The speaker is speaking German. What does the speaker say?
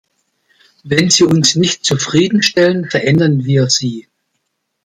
Wenn sie uns nicht zufrieden stellen, verändern wir sie.